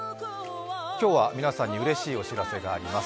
今日は皆さんにうれしいお知らせがあります。